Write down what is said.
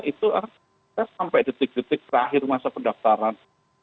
itu sampai detik detik terakhir masa pendaftaran